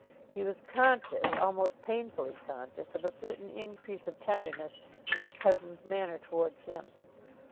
He was conscious, almost painfully conscious, of a certain increase of tenderness in his cousin's manner towards him.